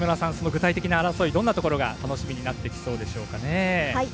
具体的な争い、どんなところが楽しみになってきそうでしょうか。